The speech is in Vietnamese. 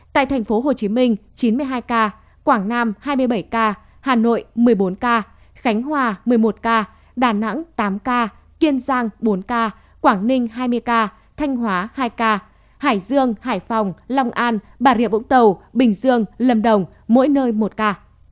tại tp hcm chín mươi hai ca quảng nam hai mươi bảy ca hà nội một mươi bốn ca khánh hòa một mươi một ca đà nẵng tám ca kiên giang bốn ca quảng ninh hai mươi ca thanh hóa hai ca hải dương hải phòng long an bà rịa vũng tàu bình dương lâm đồng mỗi nơi một ca